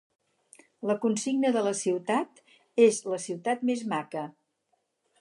La consigna de la ciutat és La ciutat més maca.